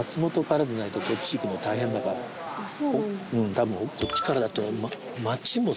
たぶんこっちからだと。